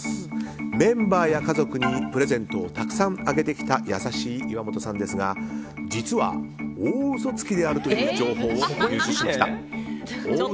メンバーや家族にプレゼントをたくさんあげてきた優しい岩本さんですが実は大嘘つきであるという情報を入手しました。